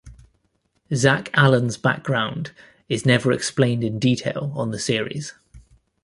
Zack Allan's background is never explained in detail on the series.